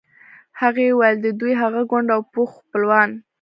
هغې وویل د دوی هغه کونډ او پوخ خپلوان.